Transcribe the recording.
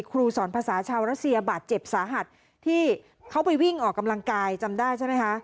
ครูสอนภาษาชาวรัสเซียบาดเจ็บสาหัสที่เขาไปวิ่งออกกำลังกายจำได้ใช่ไหมคะ